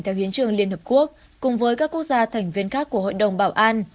theo hiến trương liên hợp quốc cùng với các quốc gia thành viên khác của hội đồng bảo an